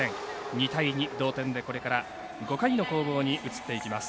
２対２、同点でこれから５回の攻防に移っていきます。